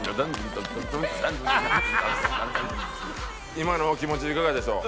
今のお気持ちいかがでしょう？